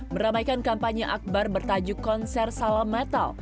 meramaikan kampanye akbar bertajuk konser salam metal